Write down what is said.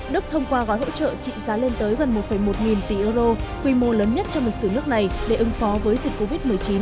đức thông qua gói hỗ trợ trị giá lên tới gần một một nghìn tỷ euro quy mô lớn nhất trong lịch sử nước này để ứng phó với dịch covid một mươi chín